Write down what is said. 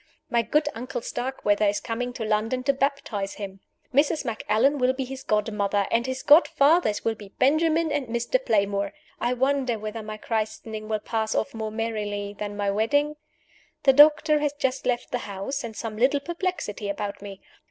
My good Uncle Starkweather is coming to London to baptize him. Mrs. Macallan will be his godmother; and his godfathers will be Benjamin and Mr. Playmore. I wonder whether my christening will pass off more merrily than my wedding? The doctor has just left the house, in some little perplexity about me.